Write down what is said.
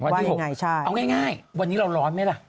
ที่๖เอาง่ายวันนี้เราร้อนไหมล่ะ